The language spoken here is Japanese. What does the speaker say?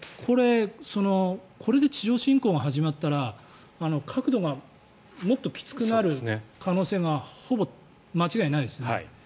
これで地上侵攻が始まったら角度がもっときつくなる可能性がほぼ間違いないですね。